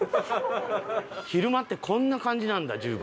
昼間ってこんな感じなんだ十番。